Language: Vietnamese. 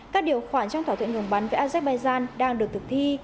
các điều khoản trong thỏa thuận ngừng bắn với azerbaijan đang được thực thi